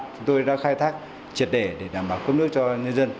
chúng tôi đã khai thác triệt đề để đảm bảo cấp nước cho nhân dân